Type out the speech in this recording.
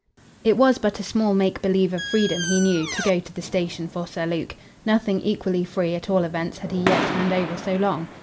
It was but a small make believe of freedom, he knew, to go to the station for Sir Luke. Nothing equally free, at all events, had he yet turned over so long.